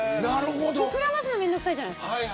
膨らますの面倒くさいじゃないですか。